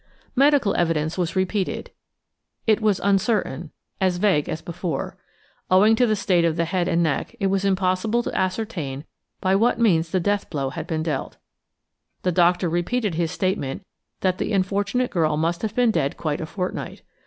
Medical evidence was repeated; it was as uncertain–as vague–as before. Owing to the state of the head and neck it was impossible to ascertain by what means the death blow had been dealt. The doctor repeated his statement that the unfortunate girl must have been dead quite a fortnight.